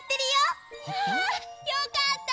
あよかった！